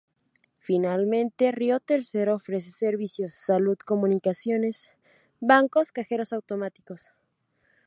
Finalmente, Río Tercero ofrece servicios: salud, comunicaciones, bancos, cajeros automáticos.